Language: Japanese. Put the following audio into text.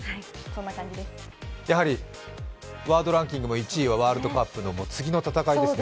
やはりワードランキングも１位はワールドカップの次の戦いです。